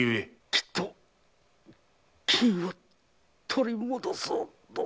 きっと金を取り戻そうと。